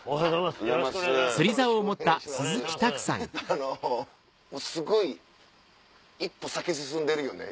あのもうすごい一歩先進んでるよね。